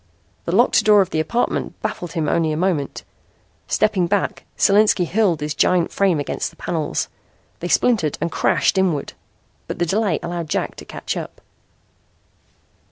The locked door of the apartment baffled him only a moment. Stepping back, Solinski hurled his giant frame against the panels. They splintered and crashed inward. But the delay allowed Jack to catch up.